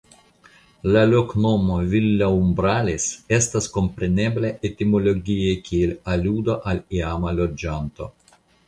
La loknomo "Villaumbrales" estas komprenebla etimologie kiel aludo al iama loĝanto.